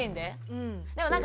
うん。